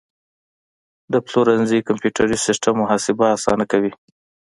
د پلورنځي کمپیوټري سیستم محاسبه اسانه کوي.